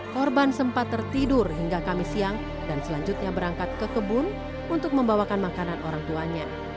korban sempat tertidur hingga kamis siang dan selanjutnya berangkat ke kebun untuk membawakan makanan orang tuanya